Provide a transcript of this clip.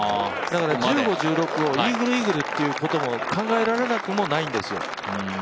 だから１５、１６をイーグル・イーグルということも考えられなくはないんですよ。